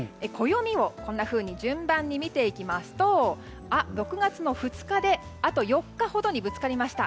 暦を、こんなふうに順番に見ていきますと６月２日であと４日ほどにぶつかりました。